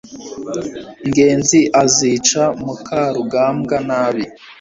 ngenzi azica mukarugambwa nabi